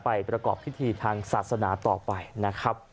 ประกอบพิธีทางศาสนาต่อไปนะครับ